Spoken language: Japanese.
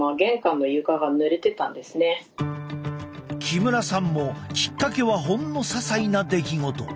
木村さんもきっかけはほんのささいな出来事。